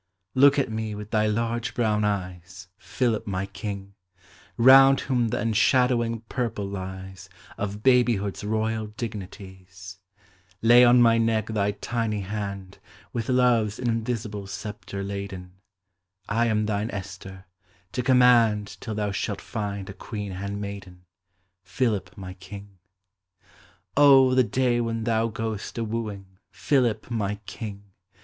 Look at me with thy large brown eyes, Philip, my king! Hound whom the enshadowing purple lies Of babyhood's royal dignities. Lav on mv neck thv tinv hand With Love's invisible sceptre laden ; I am thine Esther, to command Till thou shalt find a queen handmaiden, Philip, my king! O, the day when thou goest a wooing, Philip, my king!